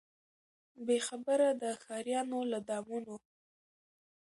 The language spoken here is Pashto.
بې خبره د ښاریانو له دامونو